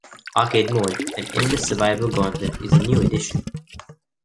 Arcade Mode, an endless survival gauntlet, is a new addition.